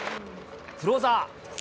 クローザー。